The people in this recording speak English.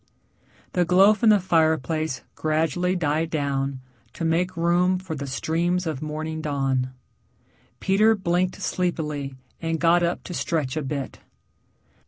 The glow from the fireplace gradually died down to make room for the streams of morning dawn. Peter blinked sleepily and got up to stretch a bit.